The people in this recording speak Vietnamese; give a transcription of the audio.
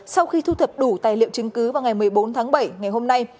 sau khi thu thập đủ tài liệu chứng cứ vào ngày một mươi bốn tháng bảy ngày hôm nay